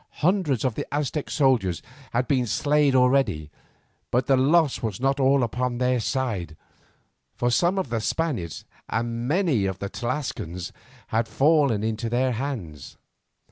Hundreds of the Aztec soldiers had been slain already, but the loss was not all upon their side, for some of the Spaniards and many of the Tlascalans had fallen into their hands.